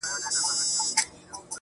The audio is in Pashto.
o زړه مي ورېږدېدی.